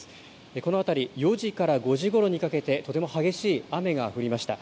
この辺り、４時から５時ごろにかけてとても激しい雨が降りました。